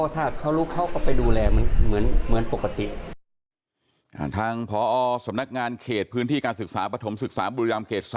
ทางพอสำนักงานเขตพื้นที่การศึกษาปฐมศึกษาบุรีลัมย์เขต๓